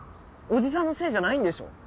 おじさんのせいじゃないんでしょ？